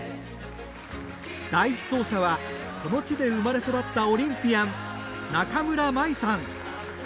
第１走者はこの地で生まれ育ったオリンピアン・中村真衣さん。